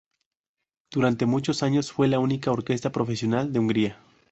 Durante muchos años fue la única orquesta profesional de Hungría.